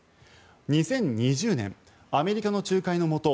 ２０２０年アメリカの仲介のもと